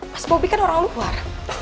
mas bobi kan orang luar